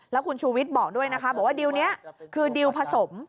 แล้วคุณชูวิทย์บอกด้วยนะคะบอกว่าดิวนี้คือดิวผสม